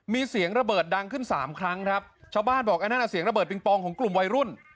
มีเสียงระเบิดดังขึ้นสามครั้งครับชาวบ้านบอกอันนั้นอ่ะเสียงระเบิงปองของกลุ่มวัยรุ่น